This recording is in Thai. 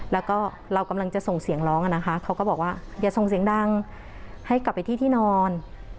แล้วก็เรากำลังจะส่งเสียงร้องอะนะคะเขาก็บอกว่าอย่าส่งเสียงดังให้กลับไปที่ที่นอน